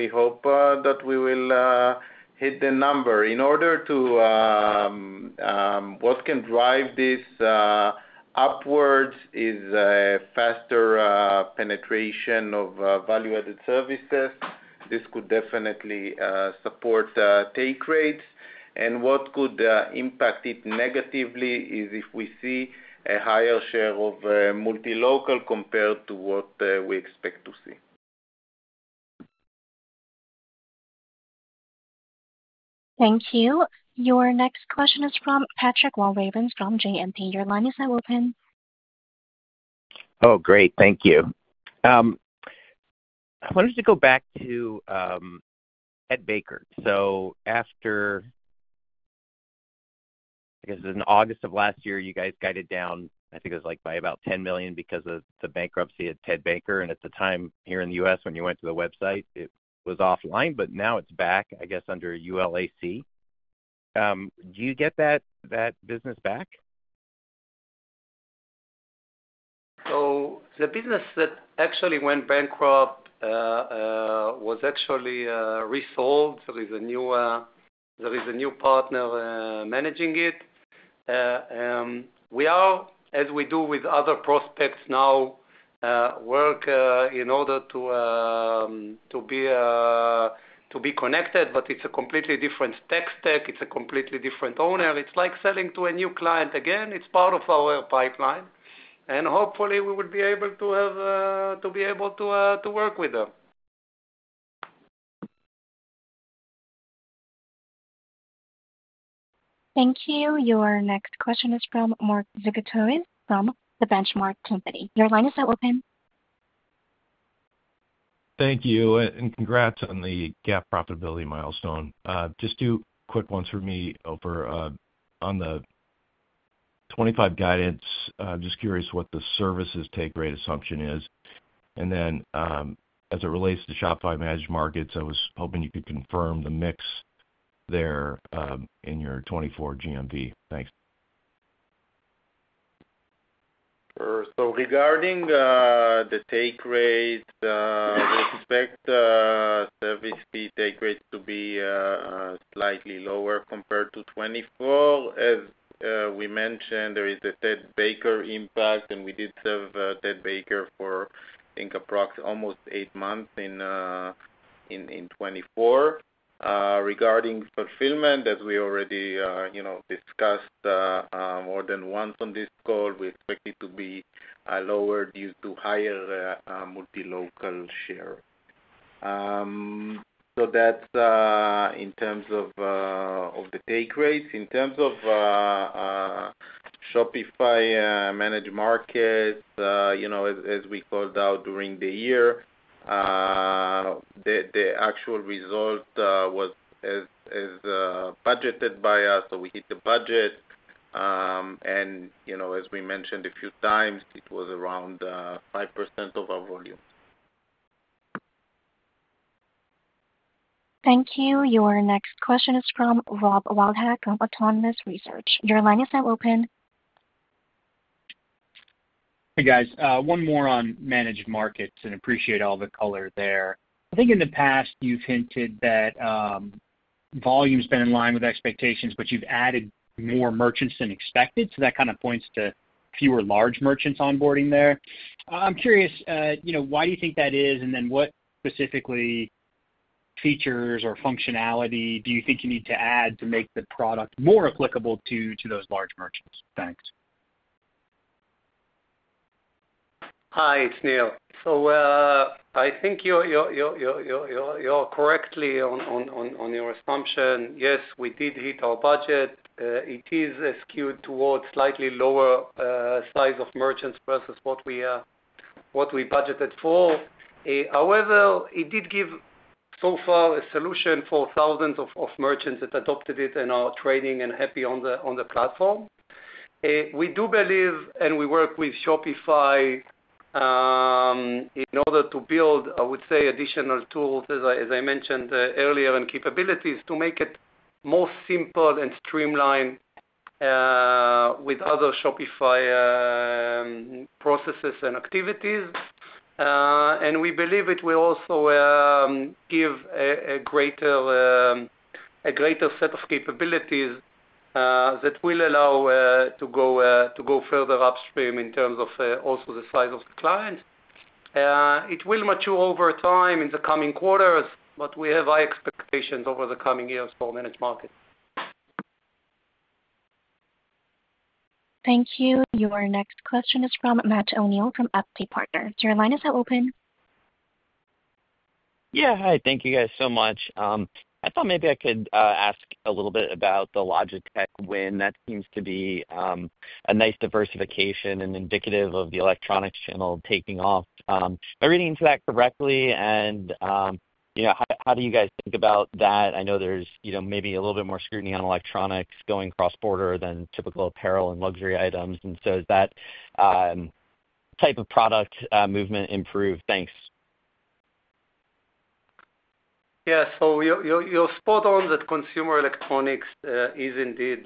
hope that we will hit the number. In order to what can drive this upwards is faster penetration of value-added services. This could definitely support take rates. What could impact it negatively is if we see a higher share of multi-local compared to what we expect to see. Thank you. Your next question is from Patrick Walravens from JMP. Your line is now open. Oh, great. Thank you. I wanted to go back to Ted Baker. So after, I guess, in August of last year, you guys guided down, I guess, by about $10 million because of the bankruptcy at Ted Baker. And at the time here in the US, when you went to the website, it was offline, but now it's back, I guess, under ULAC. Do you get that business back? So the business that actually went bankrupt was actually resolved. There is a new partner managing it. We are, as we do with other prospects now, work in order to be connected, but it's a completely different tech stack. It's a completely different owner. It's like selling to a new client again. It's part of our pipeline. And hopefully, we will be able to work with them. Thank you. Your next question is from Mark Zgutowicz from The Benchmark Company. Your line is now open. Thank you. And congrats on the GAAP profitability milestone. Just two quick ones for me on the 25 guidance. I'm just curious what the services take rate assumption is. And then as it relates to Shopify Managed Markets, I was hoping you could confirm the mix there in your 24 GMV. Thanks. So regarding the take rate, we expect service fee take rates to be slightly lower compared to 24. As we mentioned, there is the Ted Baker impact, and we did serve Ted Baker for, I think, almost eight months in 24. Regarding fulfillment, as we already discussed more than once on this call, we expect it to be lower due to higher multi-local share. So that's in terms of the take rates. In terms of Shopify Managed Markets, as we called out during the year, the actual result was as budgeted by us. So we hit the budget. As we mentioned a few times, it was around 5% of our volume. Thank you. Your next question is from Rob Wildhack from Autonomous Research. Your line is now open. Hey, guys. One more on Managed Markets, and appreciate all the color there. I think in the past, you've hinted that volume's been in line with expectations, but you've added more merchants than expected. So that kind of points to fewer large merchants onboarding there. I'm curious, why do you think that is? And then what specifically features or functionality do you think you need to add to make the product more applicable to those large merchants? Thanks. Hi, it's Nir. So I think you're correctly on your assumption. Yes, we did hit our budget. It is skewed towards slightly lower size of merchants versus what we budgeted for. However, it did give so far a solution for thousands of merchants that adopted it and are trading and happy on the platform. We do believe, and we work with Shopify in order to build, I would say, additional tools, as I mentioned earlier, and capabilities to make it more simple and streamlined with other Shopify processes and activities. And we believe it will also give a greater set of capabilities that will allow to go further upstream in terms of also the size of the clients. It will mature over time in the coming quarters, but we have high expectations over the coming years for managed markets. Thank you. Your next question is from Matt O'Neill from FT Partners. Your line is now open. Yeah. Hi. Thank you guys so much. I thought maybe I could ask a little bit about the Logitech tech win. That seems to be a nice diversification and indicative of the electronics channel taking off. Am I reading into that correctly? And how do you guys think about that? I know there's maybe a little bit more scrutiny on electronics going cross-border than typical apparel and luxury items. And so has that type of product movement improved? Thanks. Yeah. So you're spot on that consumer electronics is indeed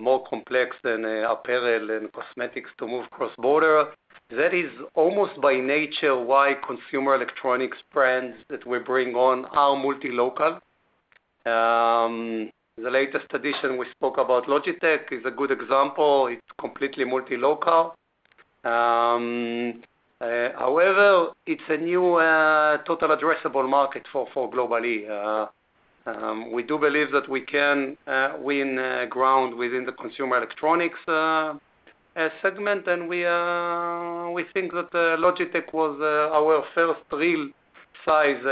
more complex than apparel and cosmetics to move cross-border. That is almost by nature why consumer electronics brands that we bring on are multi-local. The latest addition we spoke about, Logitech, is a good example. It's completely multi-local. However, it's a new total addressable market for Global-E. We do believe that we can win ground within the consumer electronics segment. And we think that Logitech was our first real-size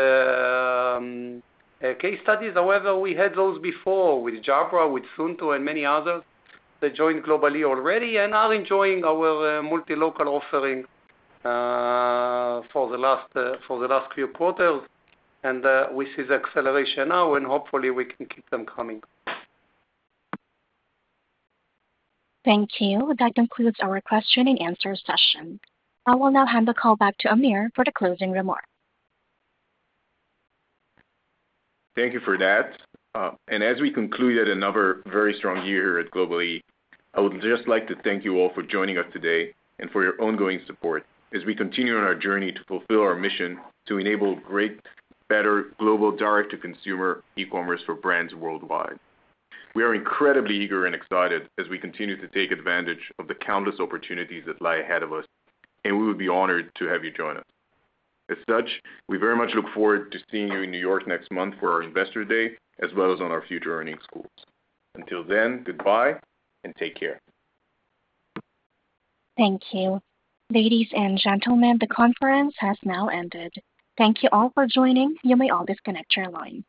case studies. However, we had those before with Jabra, with Suunto, and many others that joined Global-E already and are enjoying our multi-local offering for the last few quarters, and we see the acceleration now, and hopefully, we can keep them coming. Thank you. That concludes our question and answer session. I will now hand the call back to Amir for the closing remarks. Thank you for that, and as we conclude yet another very strong year here at Global-E, I would just like to thank you all for joining us today and for your ongoing support as we continue on our journey to fulfill our mission to enable great, better global direct-to-consumer e-commerce for brands worldwide. We are incredibly eager and excited as we continue to take advantage of the countless opportunities that lie ahead of us, and we would be honored to have you join us. As such, we very much look forward to seeing you in New York next month for our Investor Day, as well as on our future earnings calls. Until then, goodbye and take care. Thank you. Ladies and gentlemen, the conference has now ended. Thank you all for joining. You may all disconnect your lines.